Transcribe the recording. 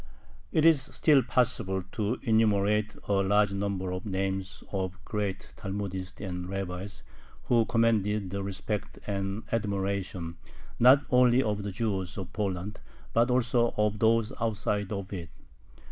It is still possible to enumerate a large number of names of great Talmudists and rabbis, who commanded the respect and admiration not only of the Jews of Poland but also of those outside of it.